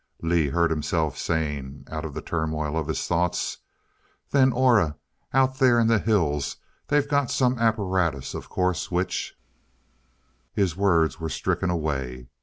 Lee heard himself saying out of the turmoil of his thoughts: "Then, Aura out there in the hills they've got some apparatus, of course, which " His words were stricken away.